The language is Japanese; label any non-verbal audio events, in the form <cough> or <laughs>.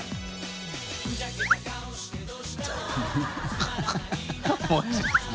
ハハハ <laughs>